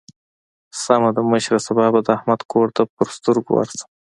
سمه ده مشره؛ سبا به د احمد کور ته پر سترګو ورشم.